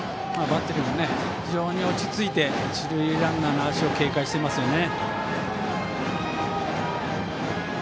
バッテリーも非常に落ち着いて一塁ランナーの足を警戒していますね。